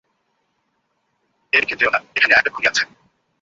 এদিকে যেও না, এখানে একটা খুনি আছে।